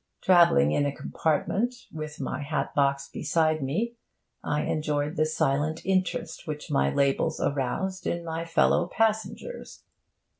Travelling in a compartment, with my hat box beside me, I enjoyed the silent interest which my labels aroused in my fellow passengers.